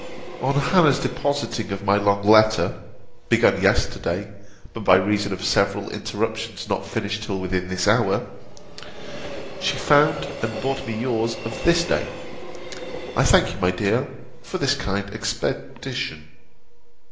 On Hannah's depositing my long letter, (begun yesterday, but by reason of several interruptions not finished till within this hour,) she found and brought me yours of this day. I thank you, my dear, for this kind expedition.